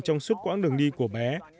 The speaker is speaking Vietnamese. trong suốt quãng đường đi của bé